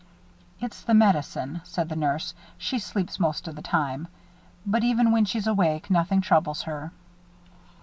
"It's the medicine," said the nurse. "She sleeps most of the time. But even when she's awake, nothing troubles her."